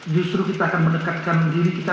justru kita akan mendekatkan diri kita